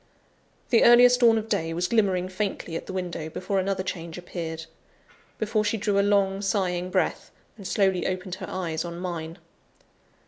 The earliest dawn of day was glimmering faintly at the window, before another change appeared before she drew a long, sighing breath, and slowly opened her eyes on mine.